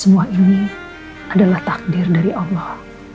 semua ini adalah takdir dari allah